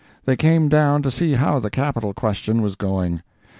They came down to see how the Capital question was going.